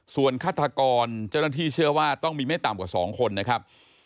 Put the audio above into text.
ส่วนฆาตกรเจ้าหน้าที่เชื่อว่าต้องมีไม่ต่ำกว่า๒คนนะครับ